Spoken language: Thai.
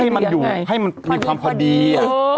ให้มันอยู่ให้มันมีความพอดี